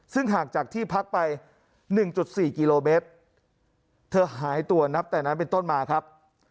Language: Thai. ซึ่งห่างจากที่พักไป๑๔กิโลเมตรเธอหายตัวนับแต่นั้นเป็นต้นมาครับ